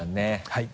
はい。